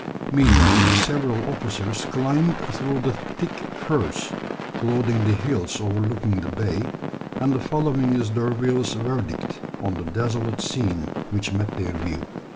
Meanwhile several officers climbed through the thick furze clothing the hills overlooking the bay, and the following is D'Urville's verdict on the desolate scene which met their view.